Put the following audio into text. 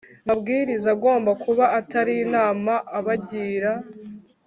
Mabwiriza agomba kuba atari inama abagira